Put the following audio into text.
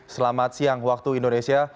selamat siang waktu indonesia